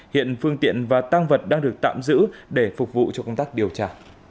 hiện phương tiện và tăng vật đang được tạm giữ để phục vụ cho công tác điều tra